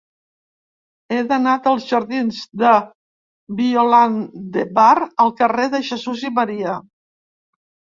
He d'anar dels jardins de Violant de Bar al carrer de Jesús i Maria.